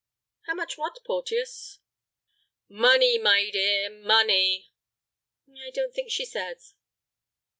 "How much what, Porteus?" "Money, my dear, money." "I don't think she says."